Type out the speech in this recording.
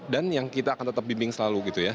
dan yang kita akan tetap bimbing selalu gitu ya